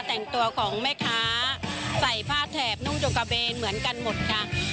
แต่งตัวของแม่ค้าใส่ผ้าแถบนุ่งจงกระเบนเหมือนกันหมดค่ะ